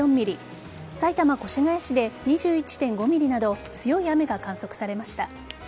埼玉・越谷市で２１．５ｍｍなど強い雨が観測されました。